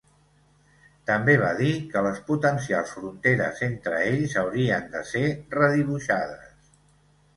També va dir que les potencials fronteres entre ells haurien de ser redibuixades.